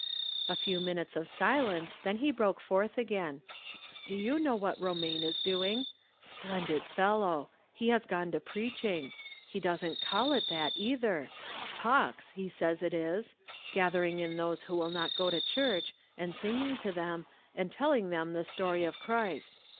A few minutes of silence, then he broke forth again :" Do you know what Romaine is doing. Splen did fellow! He has gone to preaching. He doesn't call it that, either —' Talks,' he says it is ; 118 I'rom, Different Standpoints. gathering in those who will not go to church, and singing to them, and telling them the story of Christ.